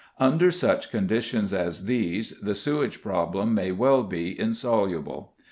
Under such conditions as these the sewage problem may well be insoluble.